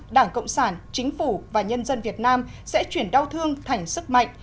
đảng cộng sản chính phủ và nhân dân việt nam sẽ chuyển đau thương thành sức mạnh